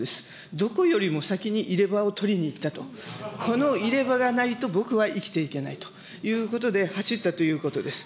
どこよりも先に入れ歯を取りに行ったと、この入れ歯がないと僕は生きていけないということで、走ったということです。